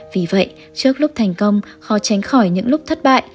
vì vậy trước lúc thành công khó tránh khỏi những lúc thất bại